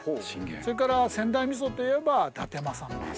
それから仙台みそといえば伊達政宗。